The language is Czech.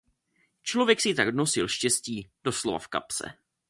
Člověk si tak nosil štěstí doslova v kapse.